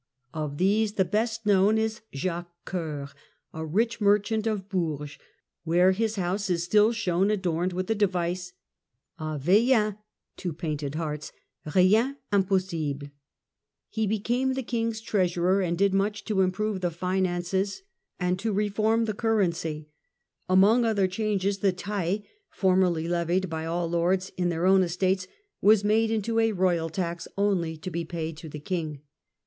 Of these the best known is Jacques Coeur, a rich merchant of Bourges, where his house is still shown adorned with the device " a vaillans (two painted hearts) rien impos sible ". He became the King's treasurer and did much to improve the finances and to reform the currency. Amongst other changes the taille, formerly levied by all lords in their own estates, was made into a royal tax only to be paid to the King.